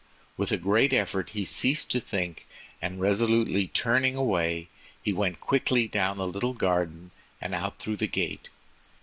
With a great effort he ceased to think, and resolutely turning away he went quickly down the little garden and out through the gate.